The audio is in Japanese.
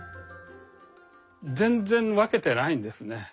全然分けてないですね。